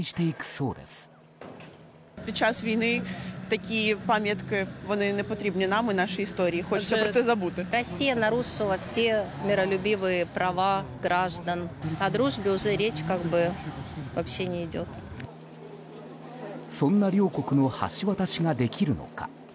そんな両国の橋渡しができるのか。